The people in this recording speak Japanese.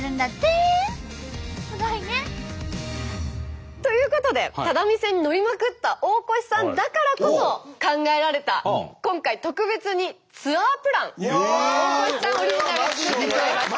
すごいね！ということで只見線に乗りまくった大越さんだからこそ考えられた今回特別にツアープラン大越さんオリジナル作ってもらいました。